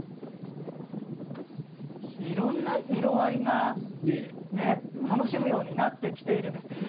いろんな色合いが楽しめるようになってきているんです。